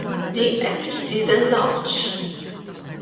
Din qed tistieden l-għawġ!